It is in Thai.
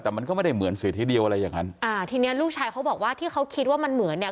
แต่มันก็ไม่ได้เหมือนเสียทีเดียวอะไรอย่างนั้นอ่าทีเนี้ยลูกชายเขาบอกว่าที่เขาคิดว่ามันเหมือนเนี่ย